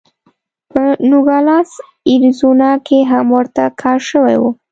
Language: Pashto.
په نوګالس اریزونا کې هم ورته کار شوی و.